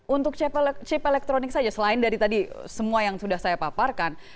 untuk chip elektronik saja selain dari tadi semua yang sudah saya paparkan